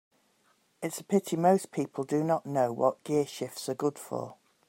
It's a pity most people do not know what gearshifts are good for.